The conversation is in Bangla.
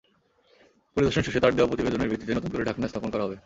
পরিদর্শন শেষে তাঁর দেওয়া প্রতিবেদনের ভিত্তিতে নতুন করে ঢাকনা স্থাপন করা হবে।